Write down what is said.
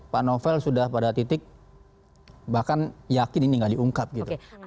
pak novel sudah pada titik bahkan yakin ini nggak diungkap gitu